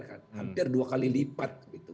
hampir dua kali lipat